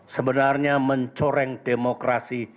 sebenarnya mencoreng demokrasi